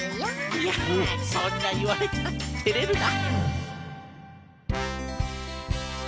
いやそんなにいわれたらてれるな。